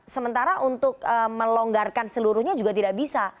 sementara untuk melonggarkan seluruhnya juga tidak bisa